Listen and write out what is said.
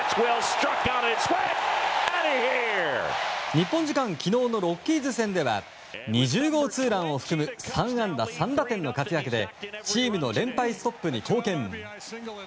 日本時間昨日のロッキーズ戦では２０号ツーランを含む３安打３打点の活躍でチームの連敗ストップに貢献。